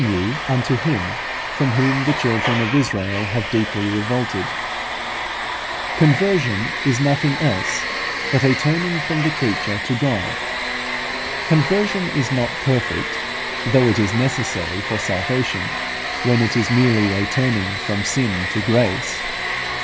"Turn ye unto Him from whom the children of Israel have deeply revolted" (Isa. xxxi. 6). Conversion is nothing else but a turning from the creature to God. Conversion is not perfect, though it is necessary for salvation, when it is merely a turning from sin to grace.